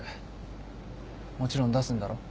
もちろん出すんだろ？